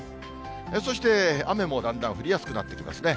そして雨もだんだん降りやすくなってきますね。